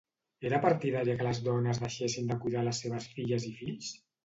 Era partidària que les dones deixessin de cuidar les seves filles i fills?